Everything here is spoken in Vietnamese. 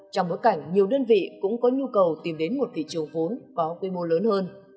trong bối cảnh nhiều đơn vị cũng có nhu cầu tìm đến một thị trường vốn có quy mô lớn hơn